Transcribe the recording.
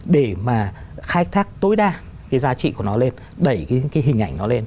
để mà khai thác tối đa cái giá trị của nó lên đẩy cái hình ảnh nó lên